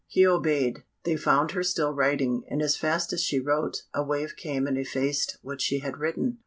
He obeyed. They found her still writing, and as fast as she wrote, a wave came and effaced what she had written.